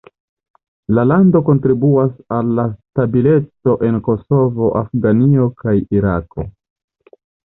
La lando kontribuas al la stabileco en Kosovo, Afganio kaj Irako.